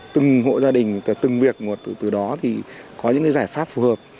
từng hộ gia đình từ từng việc một từ đó thì có những giải pháp phù hợp